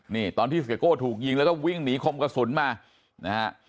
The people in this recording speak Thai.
นี่ตอนที่เสียโก้ถูกยิงแล้วก็วิ่งหนีคมกระสุนมานะฮะ